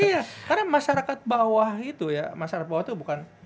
iya karena masyarakat bawah itu ya masyarakat bawah itu bukan